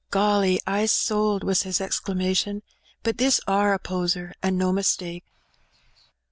"Golly! I's sold!" was his exclamation. "But this, are a poser, and no mistake."